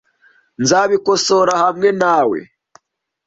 Nzabikosora hamwe na we .